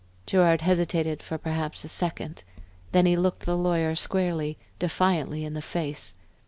Gerard hesitated for perhaps a second. Then he looked the lawyer squarely, defiantly in the face.